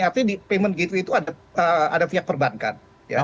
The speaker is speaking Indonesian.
artinya di payment gateway itu ada pihak perbankan